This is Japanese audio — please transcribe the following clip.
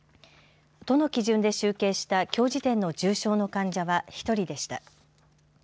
都の基準で集計したきょう時点の重症の患者は１人でした。